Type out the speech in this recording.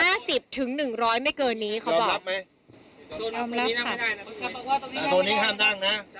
ห้าสิบถึงหนึ่งร้อยไม่เกินนี้เขาบอกรอบรับไหมรอบรับค่ะส่วนนี้นั่งไม่ได้นะ